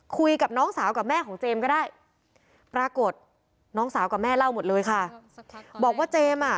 คุยกับน้องสาวกับแม่ของเจมส์ก็ได้ปรากฏน้องสาวกับแม่เล่าหมดเลยค่ะบอกว่าเจมส์อ่ะ